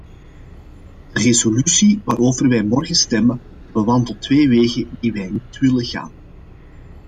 De resolutie waarover wij morgen stemmen, bewandelt twee wegen die wij niet willen gaan.